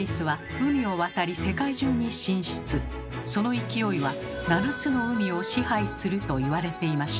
その勢いは「７つの海を支配する」と言われていました。